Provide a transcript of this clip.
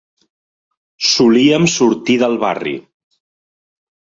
Solíem sortir del barri.